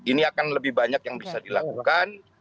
ini akan lebih banyak yang bisa dilakukan